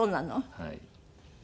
はい。